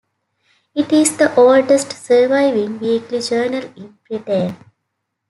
It is the oldest surviving weekly journal in Britain.